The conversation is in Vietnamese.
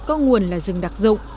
có nguồn là rừng đặc dụng